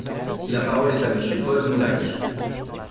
La parole est à Monsieur Paul Molac.